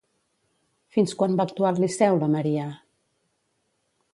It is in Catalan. Fins quan va actuar al Liceu, la Maria?